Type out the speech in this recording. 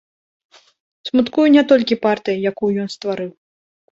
Смуткуе не толькі партыя, якую ён стварыў.